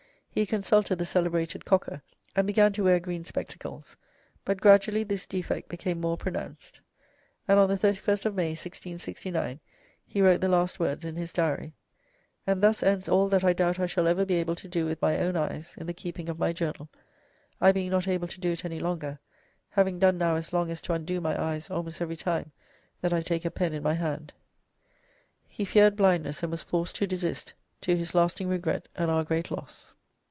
He consulted the celebrated Cocker, and began to wear green spectacles, but gradually this defect became more pronounced, and on the 31st of May, 1669, he wrote the last words in his Diary: "And thus ends all that I doubt I shall ever be able to do with my own eyes in the keeping of my journal, I being not able to do it any longer, having done now as long as to undo my eyes almost every time that I take a pen in my hand." He feared blindness and was forced to desist, to his lasting regret and our great loss.